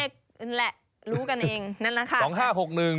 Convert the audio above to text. เลขนั่นแหละรู้กันเองนั่นแหละค่ะ